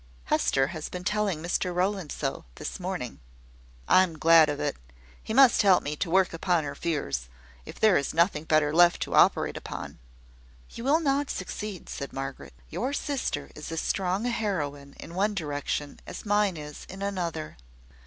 "Hester has been telling Mr Rowland so, this morning." "I am glad of it. He must help me to work upon her fears, if there is nothing better left to operate upon." "You will not succeed," said Margaret. "Your sister is as strong a heroine in one direction as mine is in another."